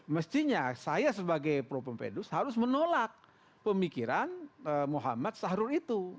mestinya saya sebagai pro pempedus harus menolak pemikiran muhammad sahrul itu